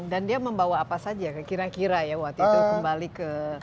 dan dia membawa apa saja kira kira ya waktu itu kembali ke